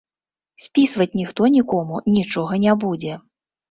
Спісваць ніхто нікому нічога не будзе.